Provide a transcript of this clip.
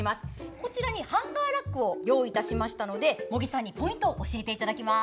こちらにハンガーラックを用意しましたので茂木さんにポイントを教えていただきます。